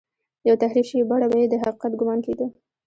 پر تحریف شوې بڼه به یې د حقیقت ګومان کېده.